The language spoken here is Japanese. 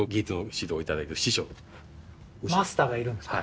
そうですマスターがいるんですか？